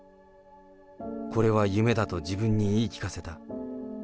これは夢だと自分に言い聞かせた。